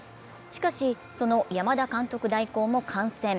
しかし、その山田監督代行も感染。